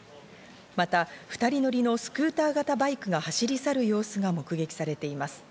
また２人乗りのスクーター型バイクが走り去る様子が目撃されています。